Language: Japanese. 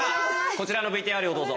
こちらのＶＴＲをどうぞ。